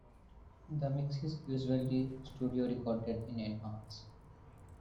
The mix is usually studio-recorded in advance.